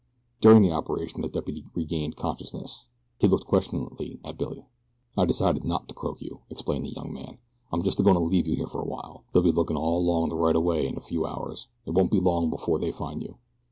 During the operation the deputy regained consciousness. He looked questioningly at Billy. "I decided not to croak you," explained the young man. "I'm just a goin' to leave you here for a while. They'll be lookin' all along the right o' way in a few hours it won't be long afore they find you.